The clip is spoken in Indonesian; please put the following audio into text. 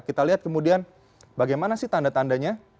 kita lihat kemudian bagaimana sih tanda tandanya